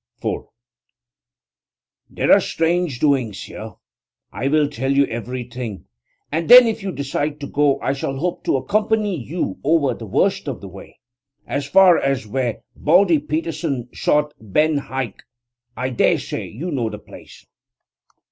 < 4 > 'There are strange doings here. I will tell you everything, and then if you decide to go I shall hope to accompany you over the worst of the way; as far as where Baldy Peterson shot Ben Hike I dare say you know the place.'